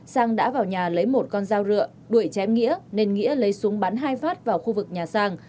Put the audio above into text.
sang đã vào nhà lấy một con dao rượu đuổi chém nghĩa nên nghĩa lấy súng bắn hai phát vào khu vực nhà sang